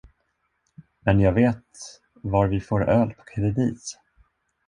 Men jag vet var vi får öl på kredit!